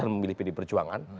pemilih pdi perjuangan